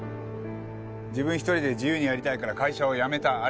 自分一人で自由にやりたいから会社を辞めた。